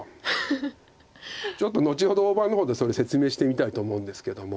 ちょっと後ほど大盤の方でそれ説明してみたいと思うんですけども。